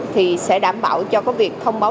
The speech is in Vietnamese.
thì sẽ đảm bảo cho có việc thông báo